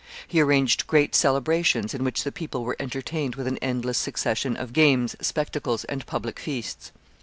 He arranged great celebrations, in which the people were entertained with an endless succession of games, spectacles, and public feasts.